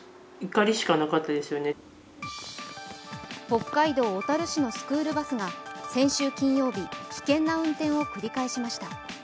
北海道・小樽市のスクールバスが先週金曜日、危険な運転を繰り返しました。